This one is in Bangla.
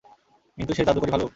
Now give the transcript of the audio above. কিন্তু সে জাদুকরী ভালুক?